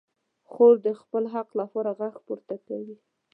خور د خپل حق لپاره غږ پورته کوي.